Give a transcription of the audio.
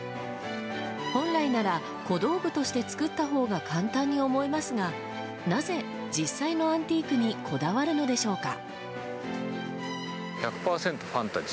本来なら、小道具として作ったほうが簡単に思えますがなぜ実際のアンティークにこだわるのでしょうか。